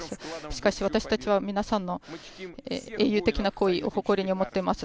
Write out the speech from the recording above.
しかし私たちは、皆さんの英雄的な行為を誇りに思っています。